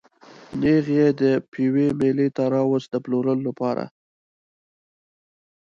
نېغ یې د پېوې مېلې ته راوست د پلورلو لپاره.